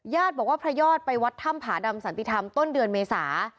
ญาติบอกว่าพระยอดไปวัดถ้ำผาดำสันติธรรมต้นเดือนเมษา